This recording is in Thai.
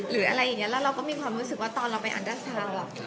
แล้วเราก็มีความรู้สึกว่าตอนเราไปอันเดอร์ซาวน์